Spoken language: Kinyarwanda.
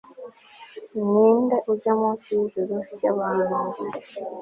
Ninde ujya munsi yijuru ryabahanuzi